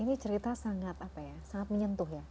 ini cerita sangat menyentuh ya